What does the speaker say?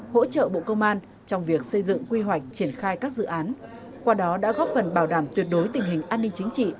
hỗ trợ bộ công an trong việc xây dựng quy hoạch triển khai các dự án qua đó đã góp phần bảo đảm tuyệt đối tình hình an ninh chính trị